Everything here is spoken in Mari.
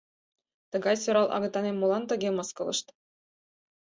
Тыгай сӧрал агытанем молан тыге мыскылышт?